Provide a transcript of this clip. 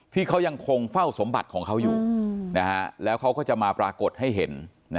ที่เขายังคงเฝ้าสมบัติของเขาอยู่แล้วเขาก็จะมาปรากฏให้เห็น